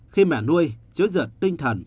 khi mẹ nuôi chứa dựa tinh thần